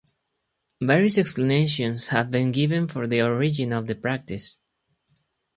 Various explanations have been given for the origin of the practice